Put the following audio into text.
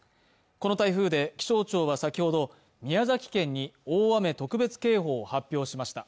この台風で気象庁は先ほど、宮崎県に大雨特別警報を発表しました。